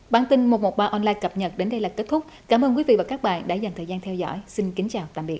bản tin một trăm một mươi ba online cập nhật đến đây là kết thúc cảm ơn quý vị và các bạn đã dành thời gian theo dõi xin kính chào tạm biệt